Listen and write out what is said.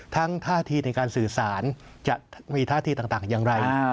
ท่าทีในการสื่อสารจะมีท่าทีต่างอย่างไร